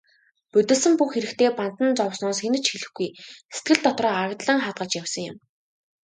Будилсан бүх хэрэгтээ бантан зовсноос хэнд ч хэлэхгүй, сэтгэл дотроо агдлан хадгалж явсан юм.